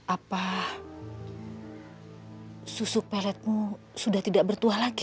apa susu peletmu sudah tidak bertuah lagi